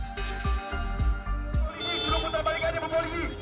bumpo ligi juru putar balikannya bumpo ligi